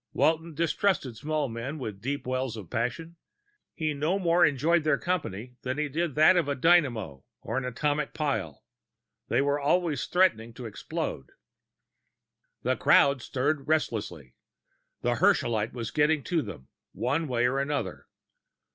Walton distrusted small men with deep wells of passion; he no more enjoyed their company than he did that of a dynamo or an atomic pile. They were always threatening to explode. The crowd was stirring restlessly. The Herschelite was getting to them, one way or another.